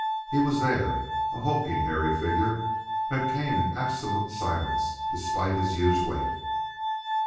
He was there a hulking hairy figure that came in absolute silence despite his huge weight.